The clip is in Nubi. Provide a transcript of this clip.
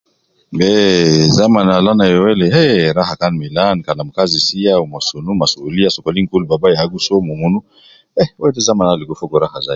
Heeh, zaman al ana yowele, eh raha kan milan kalamnkazi sia ma sunu ma sokolin, kila sokolin kul baba ya gi soo, munu, eh ,wede al ana ligo fogo raha